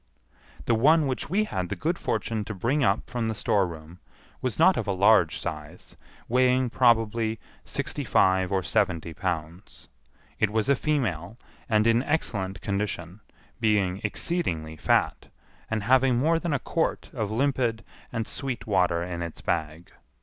The one which we had the good fortune to bring up from the storeroom was not of a large size, weighing probably sixty five or seventy pounds. It was a female, and in excellent condition, being exceedingly fat, and having more than a quart of limpid and sweet water in its bag.